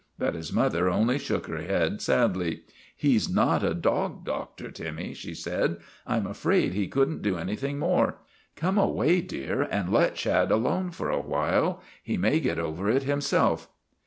But his mother only shook her head sadly. " He 's not a dog doctor, Timmy," she said. 1 1 'm afraid he could n't do anything more. Come away, dear, and led Shad alone for awhile. He may get over it himself."